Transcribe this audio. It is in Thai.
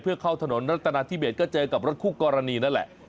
เพื่อเข้าถนนรัฐนาธิเบสก็เจอกับรถคู่กรณีนั่นแหละ